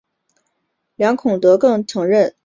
梁孔德更承认有意调整日后代表队比赛的票价。